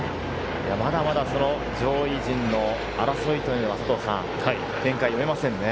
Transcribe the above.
まだまだ上位陣の争いというのは展開が読めませんね。